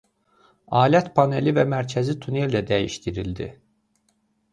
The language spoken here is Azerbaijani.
Alət paneli və mərkəzi tunel də dəyişdirildi.